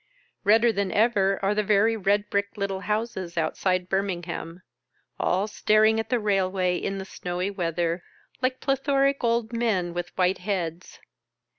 Redder than ever are the very red brick little houses outside Birmingham — all staring at the railway in the snowy weather, like plethoric eld men with white heads.